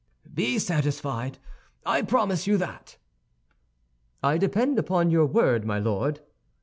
"Be satisfied; I promise you that." "I depend upon your word, my Lord."